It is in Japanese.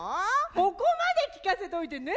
ここまで聞かせといてねえ？